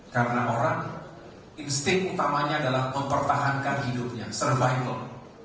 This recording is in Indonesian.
karena orang insting utamanya adalah mempertahankan hidupnya survival